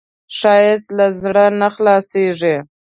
ښایست له زړه نه خلاصېږي